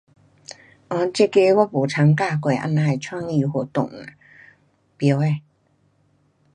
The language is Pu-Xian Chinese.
哦这个我没参加过这样的创意活动。甭晓呃